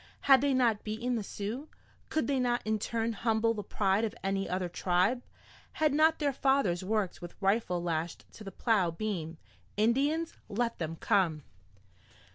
Had they not beaten the Sioux? Could they not in turn humble the pride of any other tribe? Had not their fathers worked with rifle lashed to the plow beam? Indians? Let them come!